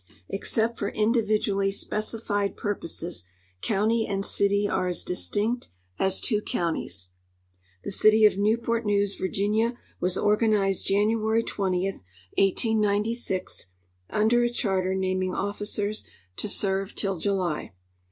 Except for individually specified purposes, county and city are as distinct as two counties. The city of Newport News, Virginia, was organized January 20, 1896, under a charter naming officers to serve till July.